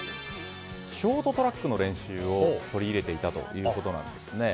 ショートトラックの練習を取り入れていたということなんです。